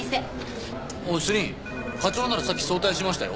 主任課長ならさっき早退しましたよ。